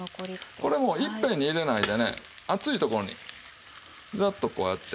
これをいっぺんに入れないでね熱いところにざっとこうやって。